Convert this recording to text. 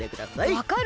わかる？